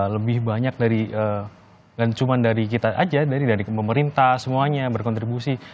lebih banyak dari dan cuma dari kita aja dari pemerintah semuanya berkontribusi